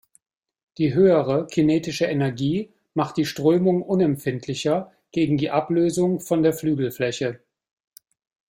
Die höhere kinetische Energie macht die Strömung unempfindlicher gegen die Ablösung von der Flügelfläche.